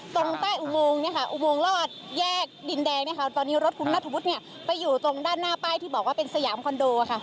ตรงใต้อุโมงเนี่ยค่ะอุโมงรอดแยกดินแดงนะคะตอนนี้รถคุณนัทธวุฒิเนี่ยไปอยู่ตรงด้านหน้าป้ายที่บอกว่าเป็นสยามคอนโดค่ะ